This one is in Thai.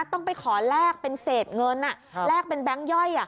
ต้องไปขอแลกเป็นเศษเงินแลกเป็นแบงค์ย่อย